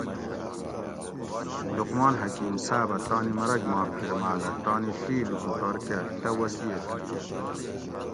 لقمان حکیم صابہ تانی مرگ ما پھرمالہ تانی ڷی لُوکوٹور کہ ڷہ وصیت کیش